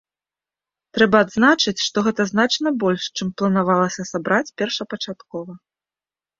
Трэба адзначыць, што гэта значна больш, чым планавалася сабраць першапачаткова.